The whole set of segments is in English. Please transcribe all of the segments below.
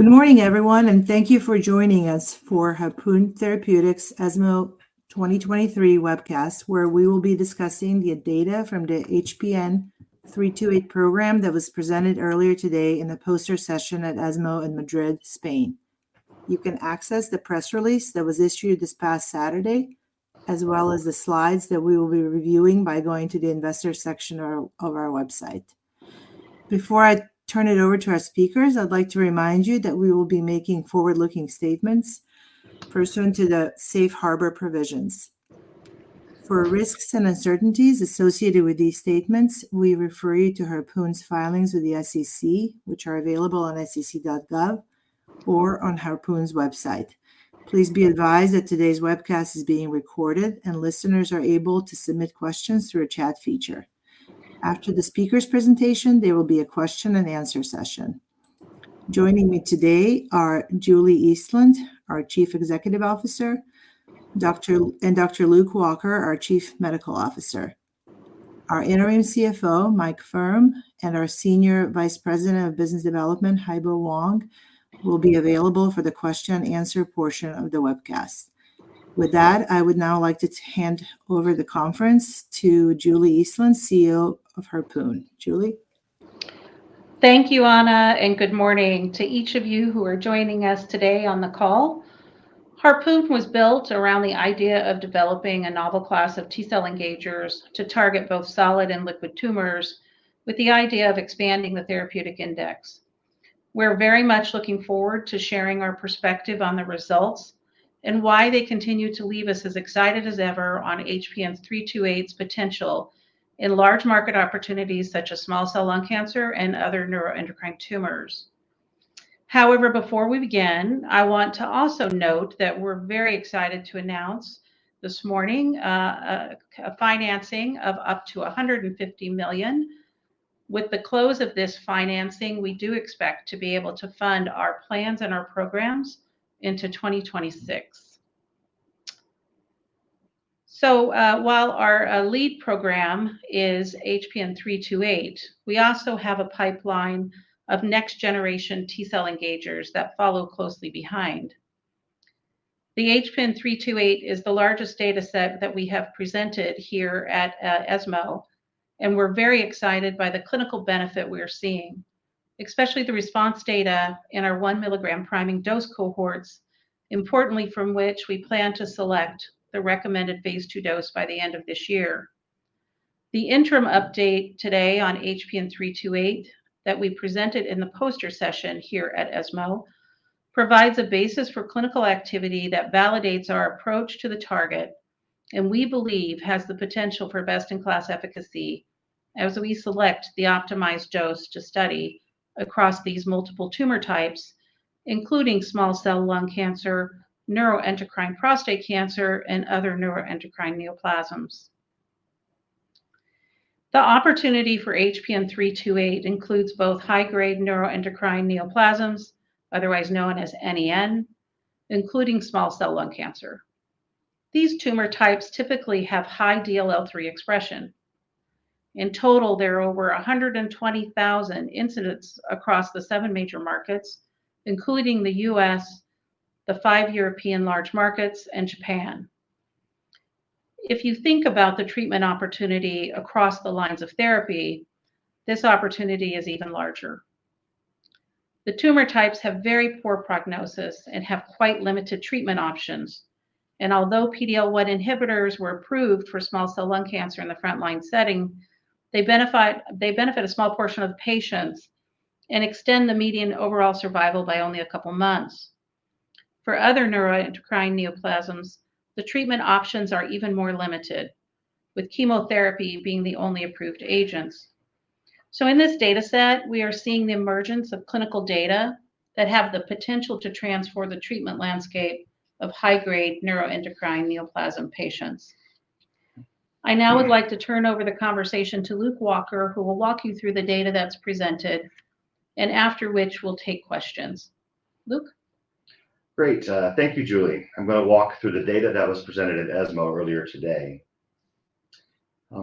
Good morning, everyone, and thank you for joining us for Harpoon Therapeutics' ESMO 2023 webcast, where we will be discussing the data from the HPN328 program that was presented earlier today in the poster session at ESMO in Madrid, Spain. You can access the press release that was issued this past Saturday, as well as the slides that we will be reviewing by going to the investor section of our website. Before I turn it over to our speakers, I'd like to remind you that we will be making forward-looking statements pursuant to the Safe Harbor Provisions. For risks and uncertainties associated with these statements, we refer you to Harpoon's filings with the SEC, which are available on sec.gov or on Harpoon's website. Please be advised that today's webcast is being recorded, and listeners are able to submit questions through a chat feature. After the speaker's presentation, there will be a question-and-answer session. Joining me today are Julie Eastland, our Chief Executive Officer, Dr. Luke Walker, our Chief Medical Officer. Our interim CFO, Mike Wood, and our Senior Vice President of Business Development, Haibo Wang, will be available for the question and answer portion of the webcast. With that, I would now like to hand over the conference to Julie Eastland, CEO of Harpoon. Julie? Thank you, Anna, and good morning to each of you who are joining us today on the call. Harpoon was built around the idea of developing a novel class of T-cell engagers to target both solid and liquid tumors, with the idea of expanding the therapeutic index. We're very much looking forward to sharing our perspective on the results and why they continue to leave us as excited as ever on HPN328's potential in large market opportunities, such as small cell lung cancer and other neuroendocrine tumors. However, before we begin, I want to also note that we're very excited to announce this morning a financing of up to $150 million. With the close of this financing, we do expect to be able to fund our plans and our programs into 2026. So, while our lead program is HPN328, we also have a pipeline of next-generation T-cell engagers that follow closely behind. The HPN328 is the largest data set that we have presented here at ESMO, and we're very excited by the clinical benefit we are seeing, especially the response data in our 1-milligram priming dose cohorts, importantly, from which we plan to select the recommended Phase 2 dose by the end of this year. The interim update today on HPN328, that we presented in the poster session here at ESMO, provides a basis for clinical activity that validates our approach to the target, and we believe has the potential for best-in-class efficacy as we select the optimized dose to study across these multiple tumor types, including small cell lung cancer, neuroendocrine prostate cancer, and other neuroendocrine neoplasms. The opportunity for HPN328 includes both high-grade neuroendocrine neoplasms, otherwise known as NEN, including small cell lung cancer. These tumor types typically have high DLL3 expression. In total, there are over 120,000 incidences across the seven major markets, including the U.S., the five European large markets, and Japan. If you think about the treatment opportunity across the lines of therapy, this opportunity is even larger. The tumor types have very poor prognosis and have quite limited treatment options, and although PD-L1 inhibitors were approved for small cell lung cancer in the frontline setting, they benefit, they benefit a small portion of the patients and extend the median overall survival by only a couple months. For other neuroendocrine neoplasms, the treatment options are even more limited, with chemotherapy being the only approved agents. In this data set, we are seeing the emergence of clinical data that have the potential to transform the treatment landscape of high-grade neuroendocrine neoplasm patients. I now would like to turn over the conversation to Luke Walker, who will walk you through the data that's presented, and after which we'll take questions. Luke? Great. Thank you, Julie. I'm gonna walk through the data that was presented at ESMO earlier today.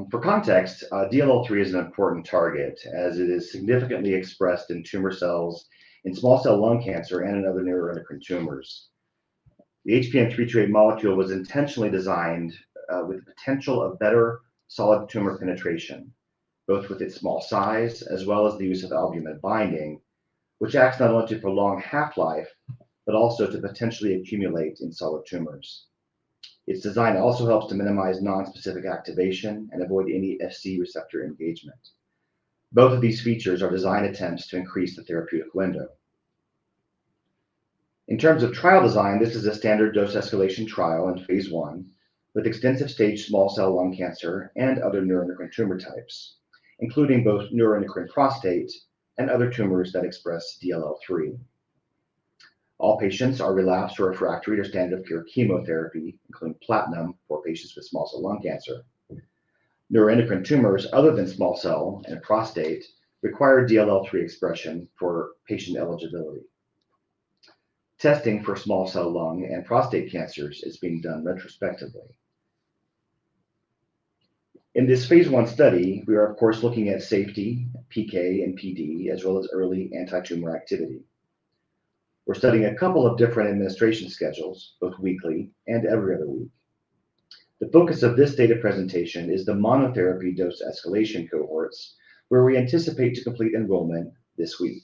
For context, DLL3 is an important target, as it is significantly expressed in tumor cells, in small cell lung cancer, and in other neuroendocrine tumors. The HPN328 molecule was intentionally designed with the potential of better solid tumor penetration, both with its small size, as well as the use of albumin binding, which acts not only to prolong half-life, but also to potentially accumulate in solid tumors. Its design also helps to minimize nonspecific activation and avoid any FC receptor engagement. Both of these features are design attempts to increase the therapeutic window. In terms of trial design, this is a standard dose escalation trial in phase 1, with extensive stage small cell lung cancer and other neuroendocrine tumor types, including both neuroendocrine prostate and other tumors that express DLL3. All patients are relapsed or refractory to standard of care chemotherapy, including platinum for patients with small cell lung cancer. Neuroendocrine tumors other than small cell and prostate require DLL3 expression for patient eligibility. Testing for small cell lung and prostate cancers is being done retrospectively. In this phase 1 study, we are, of course, looking at safety, PK, and PD, as well as early anti-tumor activity. We're studying a couple of different administration schedules, both weekly and every other week. The focus of this data presentation is the monotherapy dose escalation cohorts, where we anticipate to complete enrollment this week.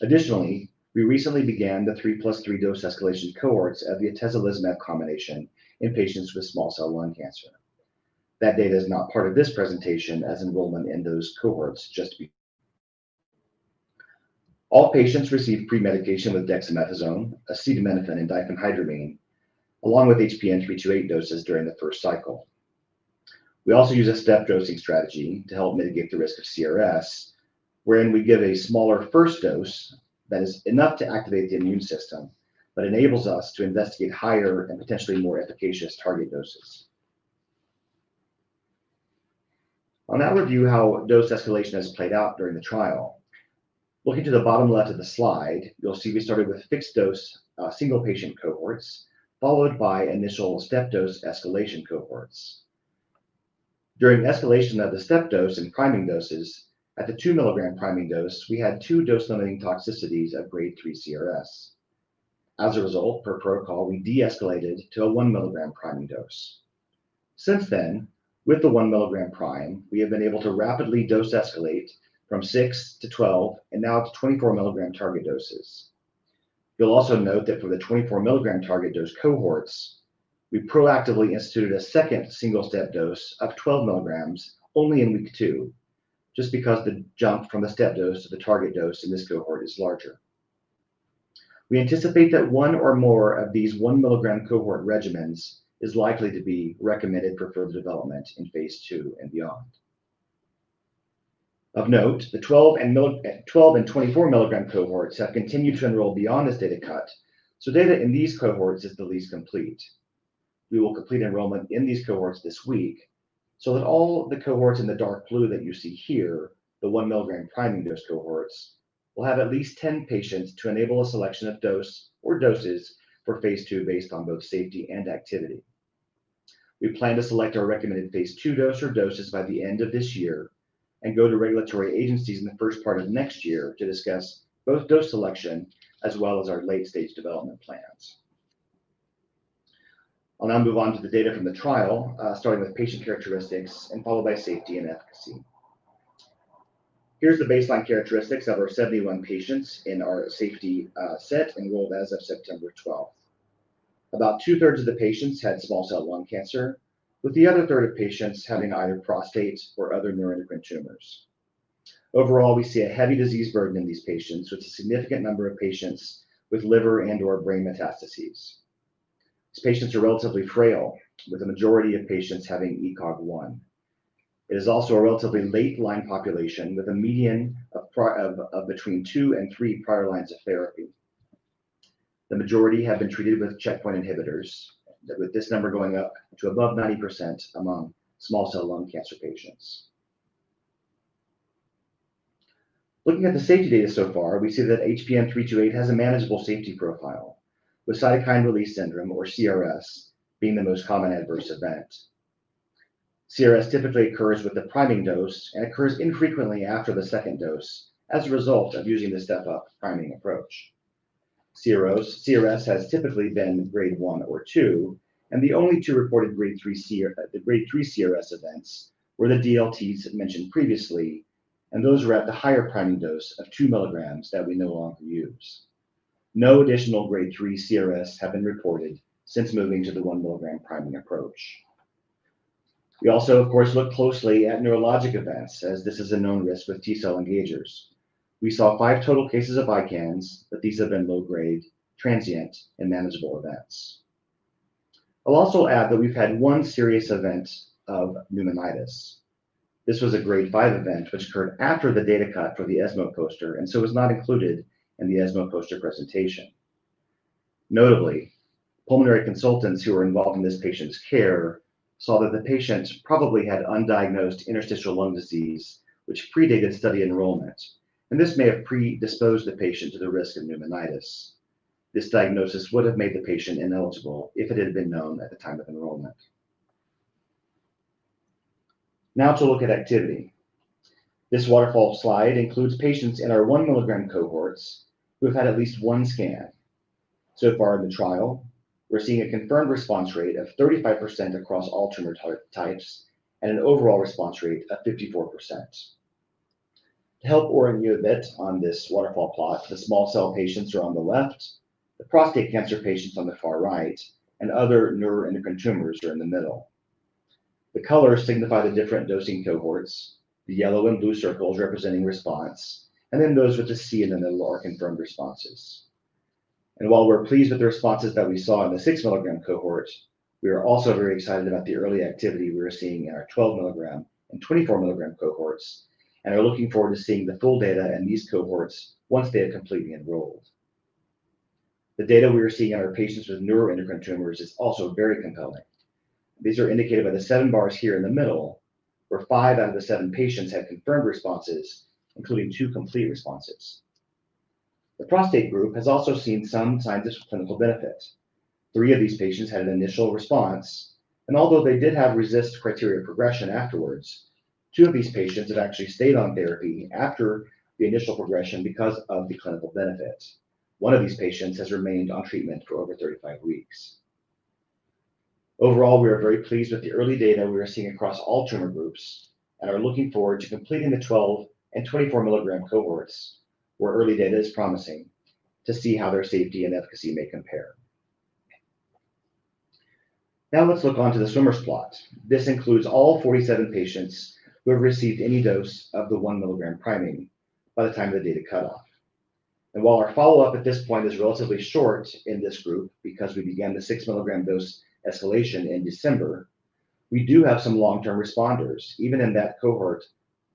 Additionally, we recently began the 3 + 3 dose escalation cohorts of the atezolizumab combination in patients with small cell lung cancer. That data is not part of this presentation as enrollment in those cohorts just began. All patients receive pre-medication with dexamethasone, acetaminophen, and diphenhydramine, along with HPN328 doses during the first cycle. We also use a step dosing strategy to help mitigate the risk of CRS, wherein we give a smaller first dose that is enough to activate the immune system, but enables us to investigate higher and potentially more efficacious target doses. I'll now review how dose escalation has played out during the trial. Looking to the bottom left of the slide, you'll see we started with fixed-dose, single-patient cohorts, followed by initial step-dose escalation cohorts. During escalation of the step dose and priming doses, at the 2 mg priming dose, we had 2 dose-limiting toxicities of grade 3 CRS. As a result, per protocol, we de-escalated to a 1 mg priming dose. Since then, with the 1 mg prime, we have been able to rapidly dose escalate from 6 to 12 and now to 24 mg target doses. You'll also note that for the 24 mg target dose cohorts, we proactively instituted a second single-step dose of 12 mg only in week two, just because the jump from the step dose to the target dose in this cohort is larger. We anticipate that one or more of these 1 mg cohort regimens is likely to be recommended for further development in phase 2 and beyond. Of note, the 12- and 24-milligram cohorts have continued to enroll beyond this data cut, so data in these cohorts is the least complete. We will complete enrollment in these cohorts this week so that all the cohorts in the dark blue that you see here, the 1-milligram priming dose cohorts, will have at least 10 patients to enable a selection of dose or doses for phase 2 based on both safety and activity. We plan to select our recommended phase 2 dose or doses by the end of this year and go to regulatory agencies in the first part of next year to discuss both dose selection as well as our late-stage development plans. I'll now move on to the data from the trial, starting with patient characteristics and followed by safety and efficacy. Here's the baseline characteristics of our 71 patients in our safety set enrolled as of September 12. About two-thirds of the patients had small cell lung cancer, with the other third of patients having either prostate or other neuroendocrine tumors. Overall, we see a heavy disease burden in these patients, with a significant number of patients with liver and/or brain metastases. These patients are relatively frail, with the majority of patients having ECOG 1. It is also a relatively late-line population, with a median of between 2 and 3 prior lines of therapy. The majority have been treated with checkpoint inhibitors, with this number going up to above 90% among small cell lung cancer patients. Looking at the safety data so far, we see that HPN328 has a manageable safety profile, with cytokine release syndrome or CRS being the most common adverse event. CRS typically occurs with the priming dose and occurs infrequently after the second dose as a result of using the step-up priming approach. CRS, CRS has typically been grade 1 or 2, and the only 2 reported grade 3 CRS events were the DLTs mentioned previously, and those were at the higher priming dose of 2 milligrams that we no longer use. No additional grade 3 CRS have been reported since moving to the 1-milligram priming approach. We also, of course, looked closely at neurologic events, as this is a known risk with T-cell engagers. We saw 5 total cases of ICANS, but these have been low grade, transient and manageable events. I'll also add that we've had 1 serious event of pneumonitis. This was a Grade 5 event, which occurred after the data cut for the ESMO poster, and so was not included in the ESMO poster presentation. Notably, pulmonary consultants who were involved in this patient's care saw that the patient probably had undiagnosed interstitial lung disease, which predated study enrollment, and this may have predisposed the patient to the risk of pneumonitis. This diagnosis would have made the patient ineligible if it had been known at the time of enrollment. Now to look at activity. This waterfall slide includes patients in our 1-milligram cohorts who have had at least one scan. So far in the trial, we're seeing a confirmed response rate of 35% across all tumor types and an overall response rate of 54%. To help orient you a bit on this waterfall plot, the small cell patients are on the left, the prostate cancer patients on the far right, and other neuroendocrine tumors are in the middle. The colors signify the different dosing cohorts, the yellow and blue circles representing response, and then those with the C in the middle are confirmed responses. And while we're pleased with the responses that we saw in the 6-milligram cohort, we are also very excited about the early activity we are seeing in our 12-milligram and 24 milligram cohorts, and are looking forward to seeing the full data in these cohorts once they have completely enrolled. The data we are seeing in our patients with neuroendocrine tumors is also very compelling. These are indicated by the seven bars here in the middle, where five out of the seven patients have confirmed responses, including two complete responses. The prostate group has also seen some signs of clinical benefit. Three of these patients had an initial response, and although they did have RECIST criteria progression afterwards, two of these patients have actually stayed on therapy after the initial progression because of the clinical benefit. One of these patients has remained on treatment for over 35 weeks. Overall, we are very pleased with the early data we are seeing across all tumor groups, and are looking forward to completing the 12 and 24 milligram cohorts, where early data is promising, to see how their safety and efficacy may compare. Now let's look onto the swimmers plot. This includes all 47 patients who have received any dose of the 1 mg priming by the time of the data cutoff. While our follow-up at this point is relatively short in this group, because we began the 6 mg dose escalation in December, we do have some long-term responders, even in that cohort,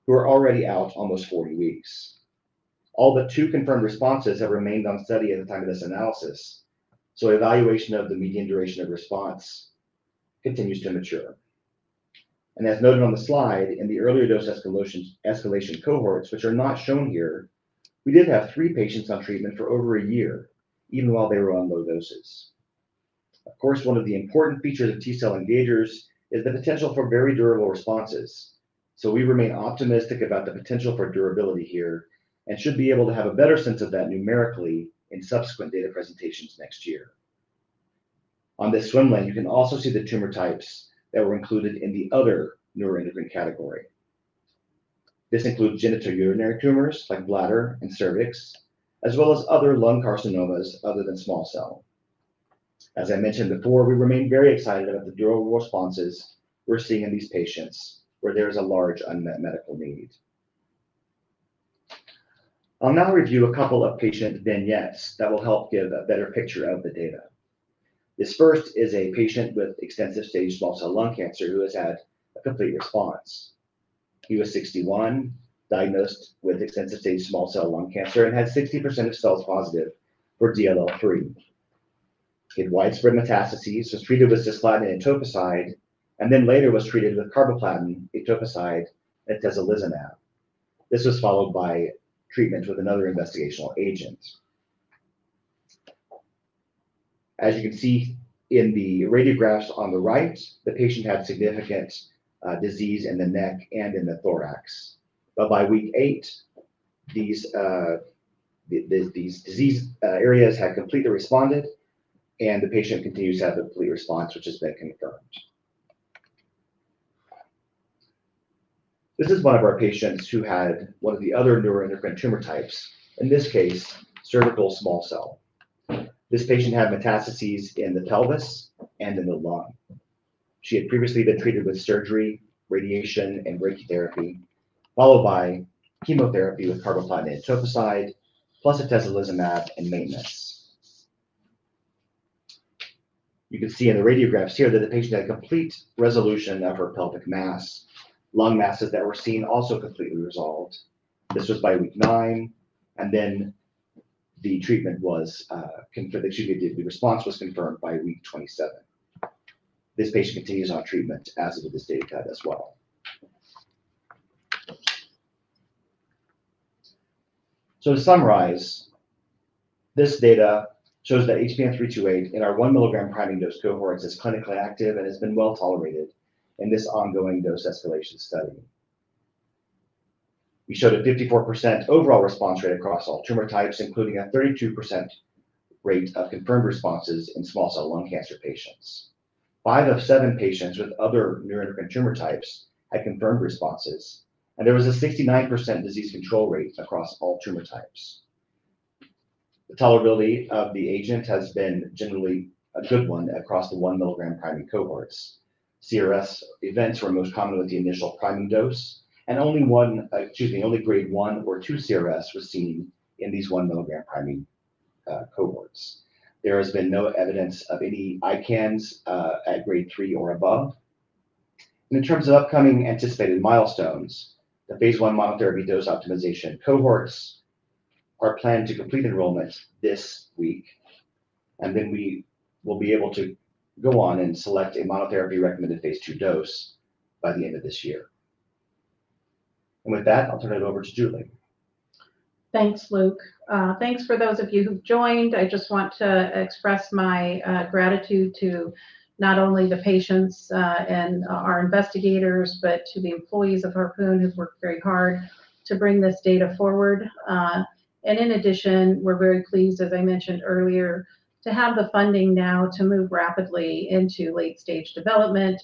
who are already out almost 40 weeks. All but two confirmed responses have remained on study at the time of this analysis, so evaluation of the median duration of response continues to mature. As noted on the slide, in the earlier dose escalation cohorts, which are not shown here, we did have three patients on treatment for over a year, even while they were on low doses. Of course, one of the important features of T-cell engagers is the potential for very durable responses. So we remain optimistic about the potential for durability here and should be able to have a better sense of that numerically in subsequent data presentations next year. On this Swimmers Plot, you can also see the tumor types that were included in the other neuroendocrine category. This includes genitourinary tumors like bladder and cervix, as well as other lung carcinomas other than small cell. As I mentioned before, we remain very excited about the durable responses we're seeing in these patients, where there is a large unmet medical need. I'll now review a couple of patient vignettes that will help give a better picture of the data. This first is a patient with extensive stage small cell lung cancer who has had a complete response. He was 61, diagnosed with extensive stage small cell lung cancer and had 60% of cells positive for DLL3. He had widespread metastases, was treated with cisplatin and Etoposide, and then later was treated with carboplatin, Etoposide, and Atezolizumab. This was followed by treatment with another investigational agent. As you can see in the radiographs on the right, the patient had significant disease in the neck and in the thorax. But by week 8, these disease areas had completely responded, and the patient continues to have a complete response, which has been confirmed. This is one of our patients who had one of the other neuroendocrine tumor types, in this case, cervical small cell. This patient had metastases in the pelvis and in the lung. She had previously been treated with surgery, radiation, and brachytherapy, followed by chemotherapy with carboplatin and Etoposide, plus Atezolizumab and maintenance. You can see in the radiographs here that the patient had complete resolution of her pelvic mass. Lung masses that were seen also completely resolved. This was by week 9, and then the treatment was, the response was confirmed by week 27. This patient continues on treatment as of this data cut as well. So to summarize, this data shows that HPN328 in our 1 milligram priming dose cohorts is clinically active and has been well tolerated in this ongoing dose escalation study. We showed a 54% overall response rate across all tumor types, including a 32% rate of confirmed responses in small cell lung cancer patients. 5 of 7 patients with other neuroendocrine tumor types had confirmed responses, and there was a 69% disease control rate across all tumor types. The tolerability of the agent has been generally a good one across the 1 milligram priming cohorts. CRS events were most common with the initial priming dose, and only grade 1 or 2 CRS was seen in these 1 mg priming cohorts. There has been no evidence of any ICANS at grade 3 or above. In terms of upcoming anticipated milestones, the phase 1 monotherapy dose optimization cohorts are planned to complete enrollment this week, and we will be able to go on and select a monotherapy-recommended phase 2 dose by the end of this year. With that, I'll turn it over to Julie. Thanks, Luke. Thanks for those of you who've joined. I just want to express my gratitude to not only the patients and our investigators, but to the employees of Harpoon, who've worked very hard to bring this data forward. And in addition, we're very pleased, as I mentioned earlier, to have the funding now to move rapidly into late-stage development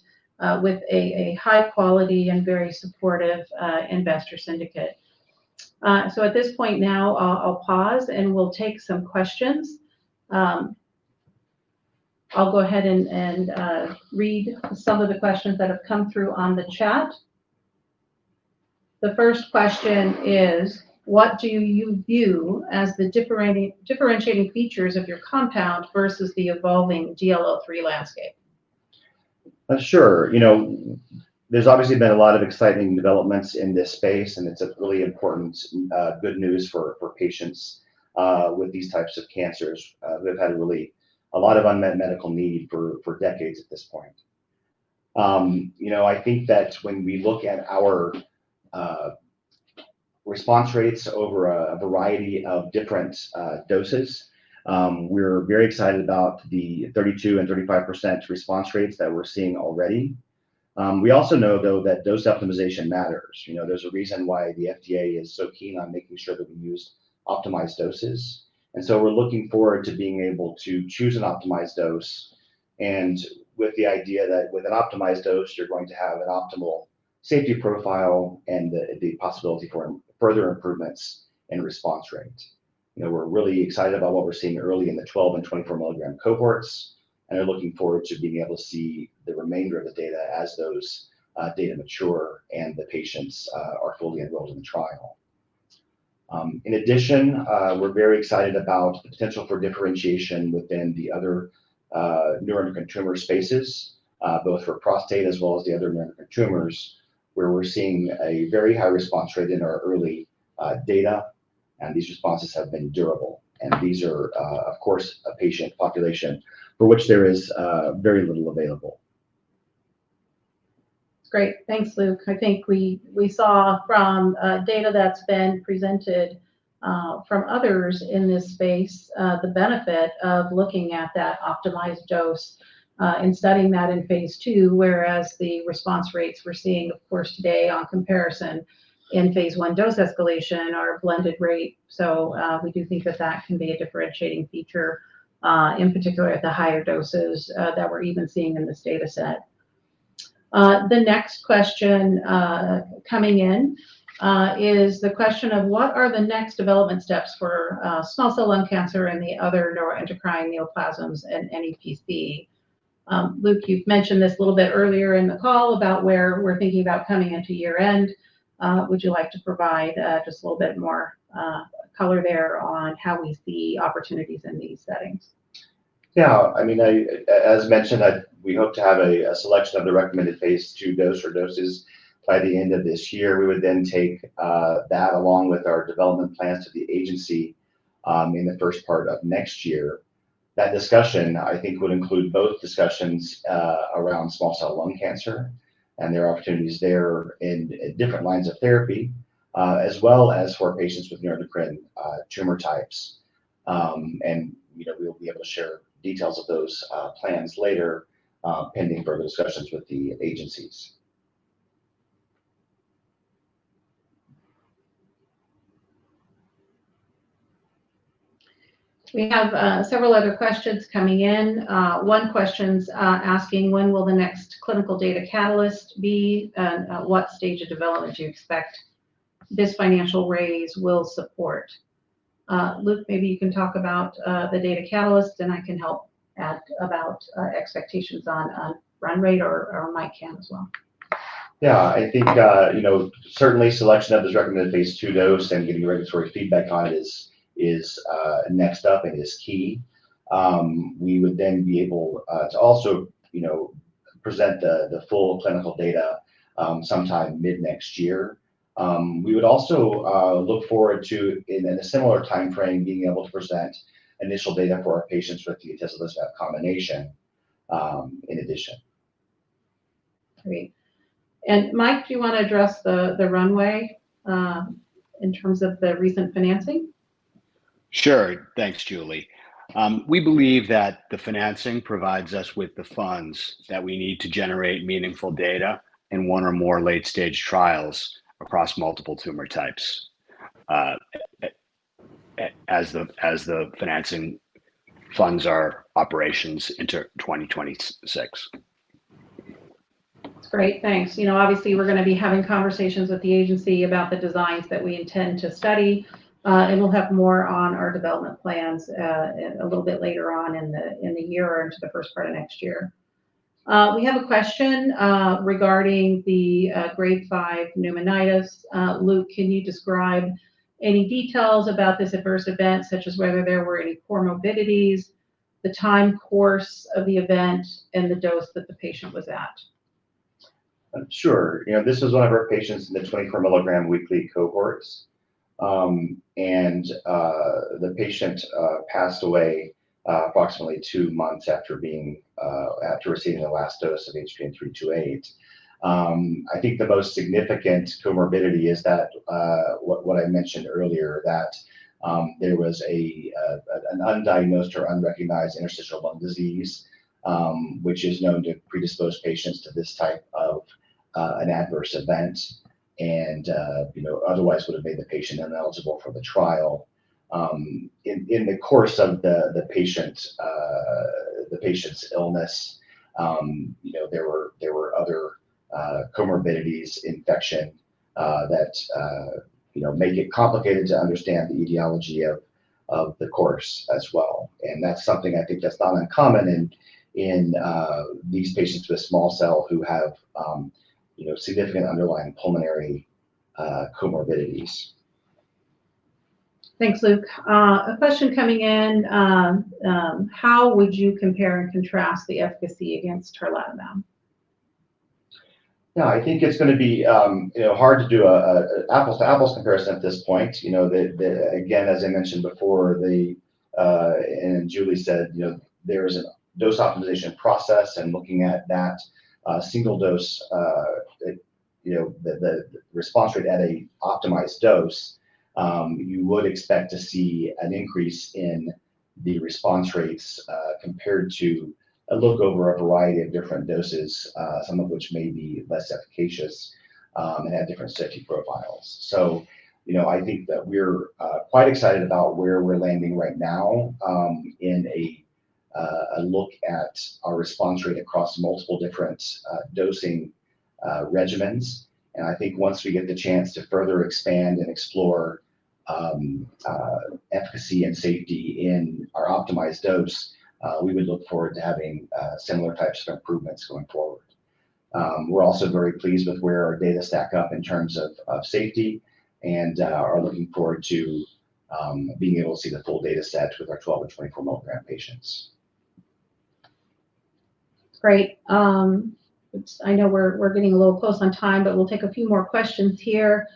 with a high quality and very supportive investor syndicate. So at this point now, I'll pause, and we'll take some questions. I'll go ahead and read some of the questions that have come through on the chat. The first question is: What do you view as the differentiating features of your compound versus the evolving DLL3 landscape? Sure. You know, there's obviously been a lot of exciting developments in this space, and it's a really important good news for patients with these types of cancers. We've had really a lot of unmet medical need for decades at this point. You know, I think that when we look at our response rates over a variety of different doses, we're very excited about the 32% and 35% response rates that we're seeing already. We also know though, that dose optimization matters. You know, there's a reason why the FDA is so keen on making sure that we use optimized doses. So we're looking forward to being able to choose an optimized dose, and with the idea that with an optimized dose, you're going to have an optimal safety profile and the possibility for further improvements in response rate. You know, we're really excited about what we're seeing early in the 12- and 24-milligram cohorts, and are looking forward to being able to see the remainder of the data as those data mature and the patients are fully enrolled in the trial. In addition, we're very excited about the potential for differentiation within the other neuroendocrine tumor spaces, both for prostate as well as the other neuroendocrine tumors, where we're seeing a very high response rate in our early data, and these responses have been durable. These are, of course, a patient population for which there is very little available. Great. Thanks, Luke. I think we saw from data that's been presented from others in this space the benefit of looking at that optimized dose and studying that in phase 2, whereas the response rates we're seeing, of course, today on comparison in phase 1 dose escalation are a blended rate. So we do think that that can be a differentiating feature in particular at the higher doses that we're even seeing in this data set. The next question coming in is the question of: What are the next development steps for small cell lung cancer and the other neuroendocrine neoplasms in NEPC? Luke, you've mentioned this a little bit earlier in the call about where we're thinking about coming into year-end. Would you like to provide just a little bit more color there on how we see opportunities in these settings? Yeah. I mean, as mentioned, we hope to have a selection of the Recommended Phase 2 Dose or doses by the end of this year. We would then take that along with our development plans to the agency in the first part of next year. That discussion, I think, would include both discussions around small cell lung cancer and there are opportunities there in different lines of therapy as well as for patients with neuroendocrine tumor types. And, you know, we'll be able to share details of those plans later pending further discussions with the agencies. We have several other questions coming in. One question's asking: When will the next clinical data catalyst be? What stage of development do you expect this financial raise will support? Luke, maybe you can talk about the data catalyst, and I can help add about expectations on a run rate, or Mike can as well. Yeah. I think, you know, certainly selection of this recommended Phase 2 dose and getting regulatory feedback on it is next up and is key. We would then be able to also, you know, present the full clinical data sometime mid-next year. We would also look forward to, in a similar timeframe, being able to present initial data for our patients with the atezolizumab combination, in addition. Great. And Mike, do you wanna address the runway in terms of the recent financing? Sure. Thanks, Julie. We believe that the financing provides us with the funds that we need to generate meaningful data in one or more late-stage trials across multiple tumor types, as the financing funds our operations into 2026. That's great. Thanks. You know, obviously, we're gonna be having conversations with the agency about the designs that we intend to study, and we'll have more on our development plans a little bit later on in the year or into the first part of next year. We have a question regarding the Grade 5 pneumonitis. Luke, can you describe any details about this adverse event, such as whether there were any comorbidities, the time course of the event, and the dose that the patient was at? Sure. You know, this is one of our patients in the 24 milligram weekly cohorts. And the patient passed away approximately two months after being after receiving the last dose of HPN328. I think the most significant comorbidity is that what I mentioned earlier, that there was an undiagnosed or unrecognized interstitial lung disease, which is known to predispose patients to this type of an adverse event and you know, otherwise would have made the patient ineligible for the trial. In the course of the patient's illness, you know, there were other comorbidities, infection, that you know, make it complicated to understand the etiology of the course as well. That's something I think that's not uncommon in these patients with small cell who have you know significant underlying pulmonary comorbidities. Thanks, Luke. A question coming in: How would you compare and contrast the efficacy against tarlatamab?... No, I think it's gonna be, you know, hard to do an apples to apples comparison at this point. You know, again, as I mentioned before, and Julie said, you know, there is a dose optimization process, and looking at that, single dose, you know, the response rate at an optimized dose, you would expect to see an increase in the response rates, compared to a look over a variety of different doses, some of which may be less efficacious, and have different safety profiles. So, you know, I think that we're quite excited about where we're landing right now, in a look at our response rate across multiple different dosing regimens. I think once we get the chance to further expand and explore efficacy and safety in our optimized dose, we would look forward to having similar types of improvements going forward. We're also very pleased with where our data stack up in terms of safety and are looking forward to being able to see the full data set with our 12 and 24 milligram patients. Great. It's. I know we're getting a little close on time, but we'll take a few more questions here.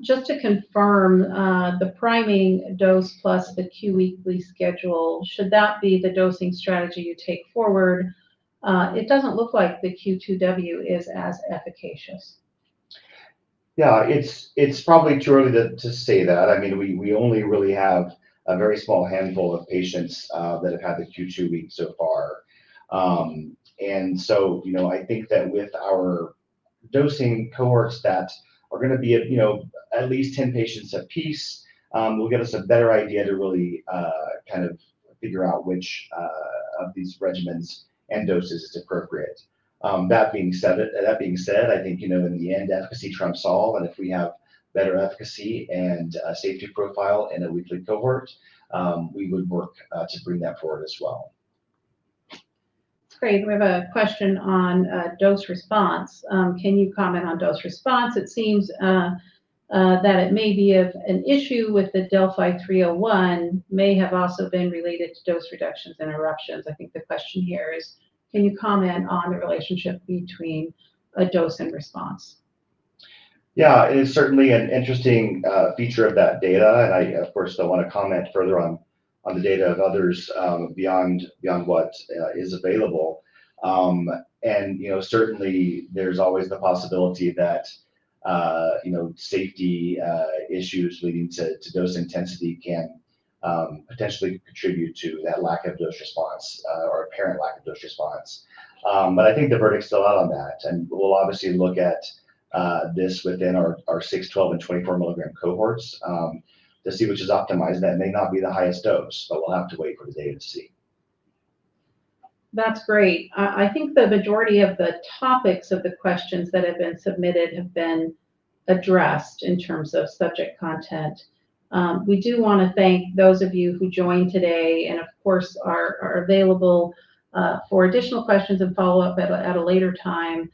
Just to confirm, the priming dose plus the Q weekly schedule, should that be the dosing strategy you take forward? It doesn't look like the Q2W is as efficacious. Yeah, it's, it's probably too early to, to say that. I mean, we, we only really have a very small handful of patients that have had the Q2W so far. And so, you know, I think that with our dosing cohorts that are gonna be at, you know, at least 10 patients apiece, will give us a better idea to really kind of figure out which of these regimens and doses is appropriate. That being said, that being said, I think, you know, in the end, efficacy trumps all, and if we have better efficacy and safety profile in a weekly cohort, we would work to bring that forward as well. That's great. We have a question on dose response. Can you comment on dose response? It seems that it may be of an issue with the DeLLphi-301 may have also been related to dose reductions, interruptions. I think the question here is: Can you comment on the relationship between a dose and response? Yeah, it is certainly an interesting feature of that data, and I, of course, don't want to comment further on the data of others, beyond what is available. You know, certainly there's always the possibility that you know, safety issues leading to dose intensity can potentially contribute to that lack of dose response, or apparent lack of dose response. But I think the verdict's still out on that, and we'll obviously look at this within our 6, 12, and 24 milligram cohorts, to see which is optimized. That may not be the highest dose, but we'll have to wait for the data to see. That's great. I think the majority of the topics of the questions that have been submitted have been addressed in terms of subject content. We do wanna thank those of you who joined today, and of course, are available for additional questions and follow-up at a later time.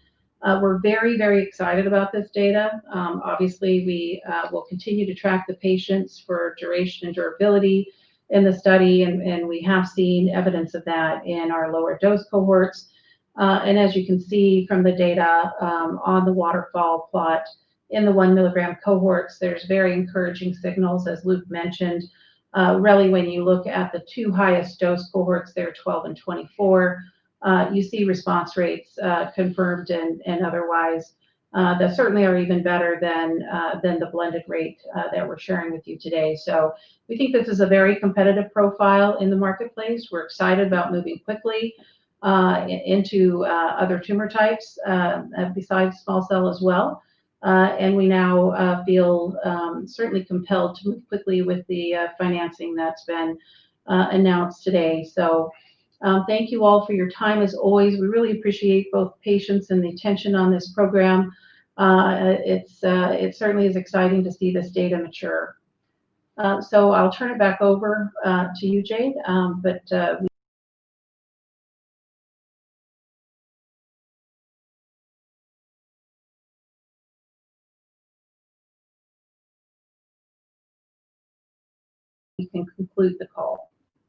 We're very, very excited about this data. Obviously, we will continue to track the patients for duration and durability in the study, and we have seen evidence of that in our lower dose cohorts. And as you can see from the data, on the waterfall plot, in the 1 milligram cohorts, there's very encouraging signals, as Luke mentioned. Really, when you look at the two highest dose cohorts, they're 12 and 24, you see response rates, confirmed and otherwise, that certainly are even better than the blended rate that we're sharing with you today. So we think this is a very competitive profile in the marketplace. We're excited about moving quickly into other tumor types besides small cell as well. And we now feel certainly compelled to move quickly with the financing that's been announced today. So, thank you all for your time. As always, we really appreciate both patience and the attention on this program. It certainly is exciting to see this data mature. So I'll turn it back over to you, Jade, but... we can conclude the call.